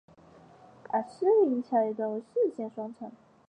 而师云砵桥一段为四线双程。